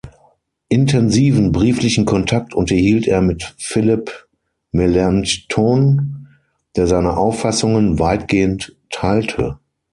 Intensiven brieflichen Kontakt unterhielt er mit Philipp Melanchthon, der seine Auffassungen weitgehend teilte.